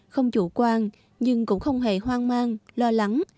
không chủ quan nhưng cũng không hề hoang mang lo lắng